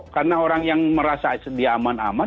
karena orang yang merasa sedia aman aman